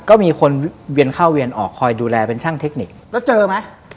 ก็มีคนเวียนเข้าเวียนออกคอยดูแลเป็นช่างเทคนิคแล้วเจอไหม